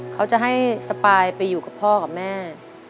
เขาจะให้สปายไปอยู่กับพ่อกับแม่